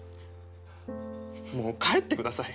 もう帰ってください。